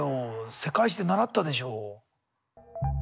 世界史で習ったでしょう。